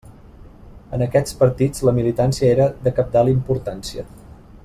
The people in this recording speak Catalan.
En aquests partits la militància era de cabdal importància.